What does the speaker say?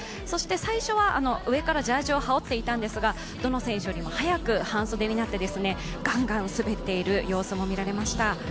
そして最初は上からジャージーを羽織っていたんですがどの選手よりも早く半袖になってガンガン滑っている様子も見られました。